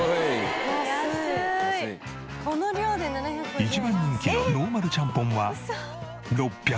一番人気のノーマルちゃんぽんは６００円。